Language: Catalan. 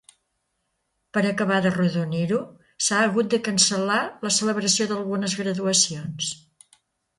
Per acabar d'arrodonir-ho, s'ha hagut de cancel·lar la celebració d'algunes graduacions.